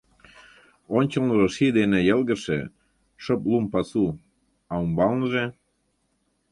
Ончылныжо ший дене йылгыжше, шып лум пасу, а умбалныже...